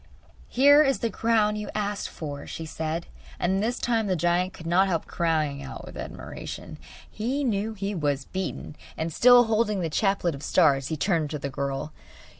'Here is the crown you asked for,' she said; and this time the giant could not help crying out with admiration. He knew he was beaten, and still holding the chaplet of stars, he turned to the girl.